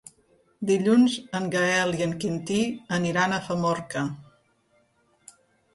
Dilluns en Gaël i en Quintí aniran a Famorca.